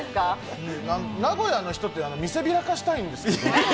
名古屋の人って見せびらかしたいんですかね。